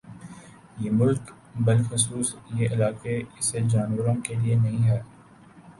یہ ملک بلخصوص یہ علاقہ ایسے جانوروں کے لیے نہیں ہے